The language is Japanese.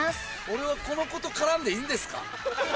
俺はこの子と絡んでいいんですか？